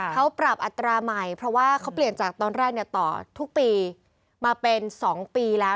เขาปรับอัตราใหม่เพราะว่าเขาเปลี่ยนจากตอนแรกต่อทุกปีมาเป็น๒ปีแล้ว